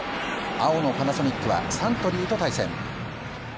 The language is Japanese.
青のパナソニックはサントリーと対戦。